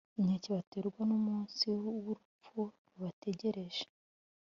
inkeke baterwa n’umunsi w’urupfu rubategereje.